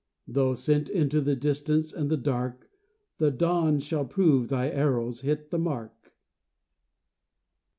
Though sent into the distance and the dark, The dawn shall prove thy arrows hit the mark.